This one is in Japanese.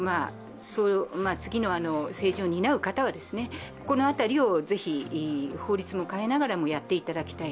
次の政治を担う方は、この辺りをぜひ法律も変えながらやっていただきたい。